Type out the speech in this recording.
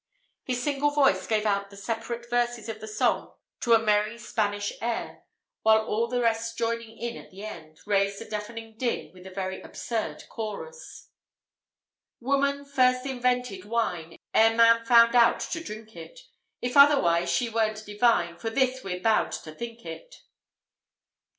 His single voice gave out the separate verses of the song to a merry Spanish air, while all the rest joining in at the end, raised a deafening din with the very absurd chorus. SONG. "Woman first invented wine, Ere man found out to drink it; If otherwise she wer'n't divine, For this we're bound to think it.